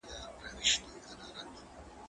هغه څوک چي قلم کاروي پوهه زياتوي؟!